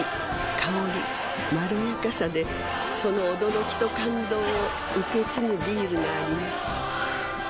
香りまろやかさでその驚きと感動を受け継ぐビールがあります